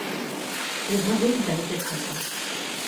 এভাবেই গাইতে থাকো।